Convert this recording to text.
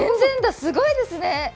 すごいですね。